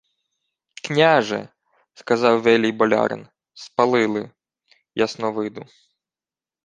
— Княже, — сказав велій болярин, — спалили... Ясновиду.